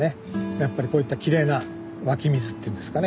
やっぱりこういったきれいな湧き水っていうんですかね